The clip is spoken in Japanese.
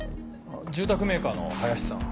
住宅メーカーの林さん。